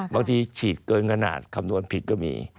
ฉีดเกินขนาดคำนวณผิดก็มี